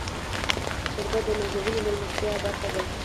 شربت د نازولې میلمستیا برخه ده